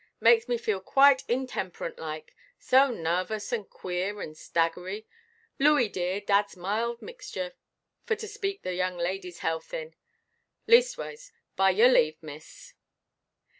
Makes me feel quite intemperant like,—so narvous, and queer, and staggery. Looey, dear, dadʼs mild mixture, for to speak the young ladyʼs health in. Leastways, by your lave, miss."